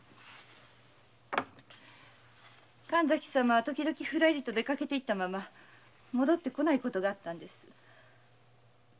神崎様は時々出かけて行ったまま戻ってこないことがあったんです。